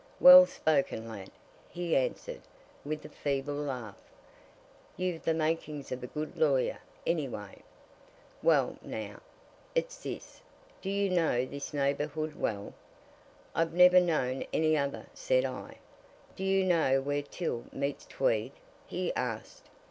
"Well spoken, lad!" he answered, with a feeble laugh. "You've the makings of a good lawyer, anyway. Well, now, it's this do you know this neighbourhood well?" "I've never known any other," said I. "Do you know where Till meets Tweed?" he asked.